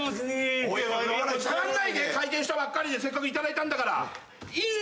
開店したばっかりでせっかく頂いたんだから。